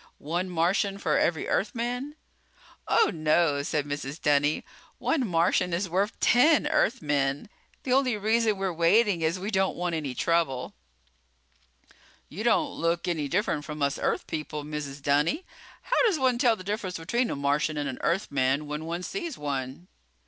One Martian for every Earthman?" "Oh, no," said Mrs. Dunny, "one Martian is worth ten Earthmen. The only reason we're waiting is we don't want any trouble." "You don't look any different from us Earth people, Mrs. Dunny. How does one tell the difference between a Martian and an Earthman when one sees one?"